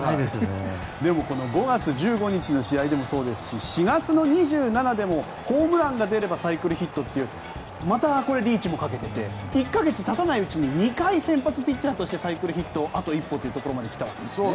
でも５月１５日の試合でもそうですし４月の２７日もホームランが出ればサイクルヒットとリーチもかけていて１か月経たないうちに２回先発ピッチャーとしてサイクルヒットあと一歩というところまで来たわけですよね。